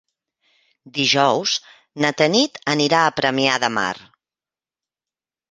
Dijous na Tanit anirà a Premià de Mar.